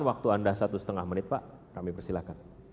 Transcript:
waktu anda satu setengah menit pak kami persilahkan